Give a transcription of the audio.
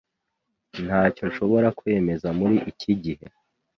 Ntacyo nshobora kwemeza muri iki gihe.